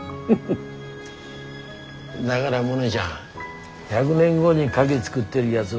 んだがらモネちゃん１００年後にカキ作ってるやづはよ